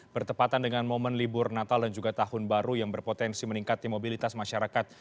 bertepatan dengan momen libur natal dan juga tahun baru yang berpotensi meningkatnya mobilitas masyarakat